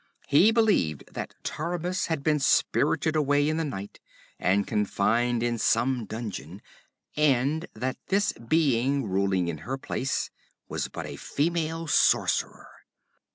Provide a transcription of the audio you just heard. He believed that Taramis had been spirited away in the night, and confined in some dungeon, and that this being ruling in her place was but a female sorcerer.